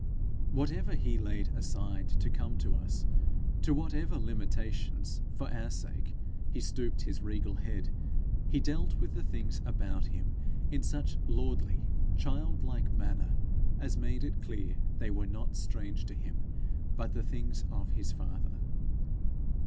Whatever he laid aside to come to us, to whatever limitations, for our sake, he stooped his regal head, he dealt with the things about him in such lordly, childlike manner as made it clear they were not strange to him, but the things of his father.